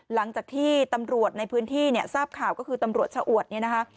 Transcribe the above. หลังจากที่ตำรวจในพื้นที่เนี่ยทราบข่าวก็คือตำรวจชะอวดเนี่ยนะคะ